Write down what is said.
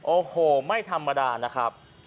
โอ้โหไม่ธรรมดานะครับ